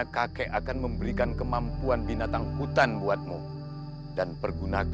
kakek kakek dimana